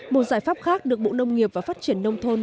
một giải pháp khác được bộ nông nghiệp và phát triển nông thôn